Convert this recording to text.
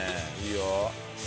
いいよ。